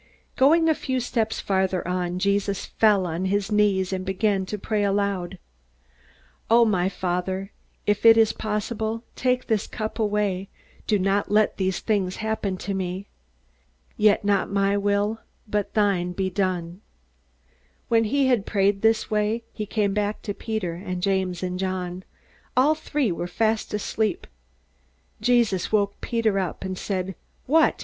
Going a few steps farther on, Jesus fell on his knees and began to pray aloud: "O my Father, if it is possible, take this cup away; do not let these things happen to me! Yet not my will, but thine, be done." When he had prayed this way, he came back to Peter and James and John. All three were fast asleep. Jesus woke Peter up, and said: "What!